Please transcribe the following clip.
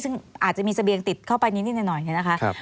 ซึ่งอาจจะมีเสบียงติดเข้าไปนิดหน่อยเนี่ยนะคะ